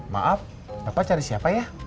maaf bapak cari siapa ya